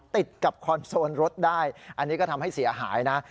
ติดกับคอนโซลรถได้อันนี้ก็ทำให้เสียหายนะ